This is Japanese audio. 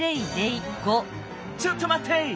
ちょっとまって！